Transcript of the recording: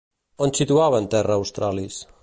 On situaven Terra Australis?